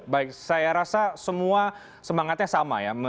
baik saya rasa semua semangatnya sama ya